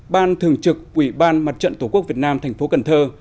ban thường trực ủy ban mặt trận tổ quốc việt nam thành phố cần thơ